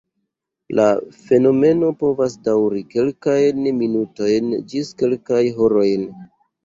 La fenomeno povas daŭri kelkajn minutojn ĝis kelkajn horojn.